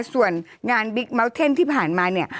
ส่วนงานบิ๊กเมาส์เทนที่ผ่านมาเนี่ย